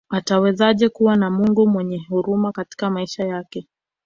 Atawezaje kuwa na Mungu mwenyehuruma katika maisha yake